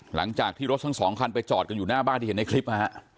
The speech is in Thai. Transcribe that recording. หลังจากที่รถทั้งสองคันไปจอดกันอยู่หน้าบ้านที่เห็นในคลิปนะฮะ